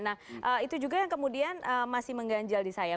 nah itu juga yang kemudian masih mengganjal di saya